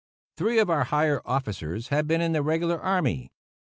Three of our higher officers had been in the regular army.